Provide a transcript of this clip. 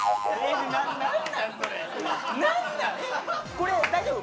これ大丈夫？